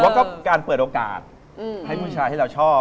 แล้วก็การเปิดโอกาสให้ผู้ชายที่เราชอบ